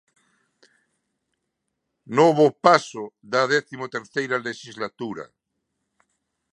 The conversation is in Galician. Novo paso da décimo terceira lexislatura.